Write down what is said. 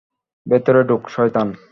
ভেতরে ঢুক, শয়তান।